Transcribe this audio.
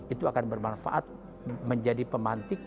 itu akan bermanfaat menjadi pemantik